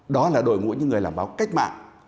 đó là đội ngũ những người làm báo cách mạng